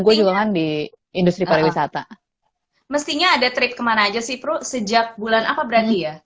gue juga kan di industri pariwisata mestinya ada trip ke mana aja sih pro sejak bulan apa berarti